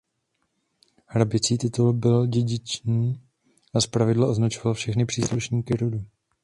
Hraběcí titul byl dědičný a zpravidla označoval všechny příslušníky rodu.